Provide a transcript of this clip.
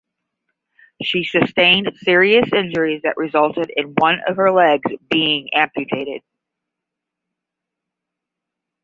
She sustained serious injuries that resulted in one of her legs being amputated.